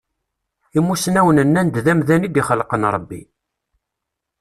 Imussnawen nnan-d d amdan i d-ixelqen Ṛebbi.